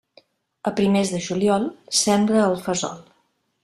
A primers de juliol, sembra el fesol.